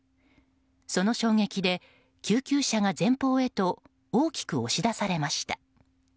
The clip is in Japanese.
その衝撃で救急車が前方へと大きく押し出されました。